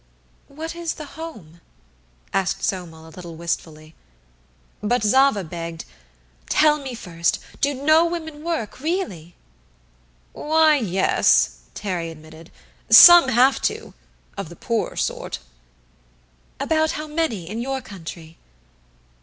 "What is 'the home'?" asked Somel a little wistfully. But Zava begged: "Tell me first, do no women work, really?" "Why, yes," Terry admitted. "Some have to, of the poorer sort." "About how many in your country?"